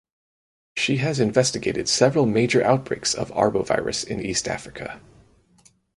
She has investigated several major outbreaks of arbovirus in East Africa.